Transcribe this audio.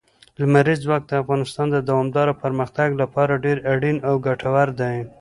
لمریز ځواک د افغانستان د دوامداره پرمختګ لپاره ډېر اړین او ګټور دی.